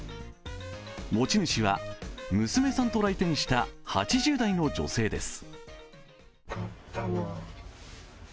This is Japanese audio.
持ち主は娘さんと来店した８０代の女性です。